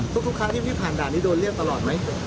ทุกครั้งที่พี่ผ่านด่านนี้โดนเรียกตลอดไหม